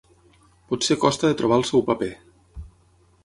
Potser costa de trobar el seu paper.